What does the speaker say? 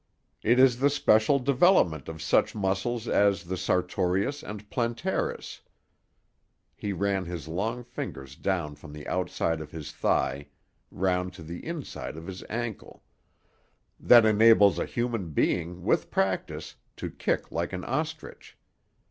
It is the special development of such muscles as the sartorius and plantaris," he ran his long fingers down from the outside of his thigh round to the inside of his ankle, "that enables a human being, with practise, to kick like an ostrich.